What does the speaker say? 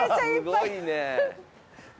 すごいね。